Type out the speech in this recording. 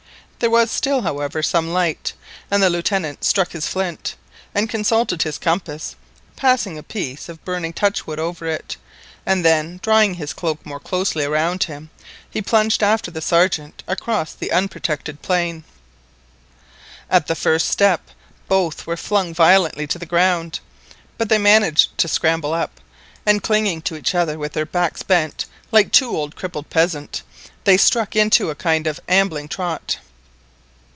There was still, however, some light, and the Lieutenant struck his flint, and consulted his compass, passing a piece of burning touchwood over it, and then, drawing his cloak more closely around him, he plunged after the Sergeant across the unprotected plain. At the first step, both were flung violently to the ground, but they managed to scramble up, and clinging to each other with their backs bent like two old crippled peasants, they struck into a kind of ambling trot.